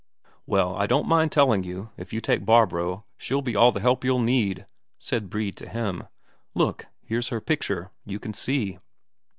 "Well, I don't mind telling you, if you take Barbro, she'll be all the help you'll need," said Brede to him. "Look, here's her picture; you can see."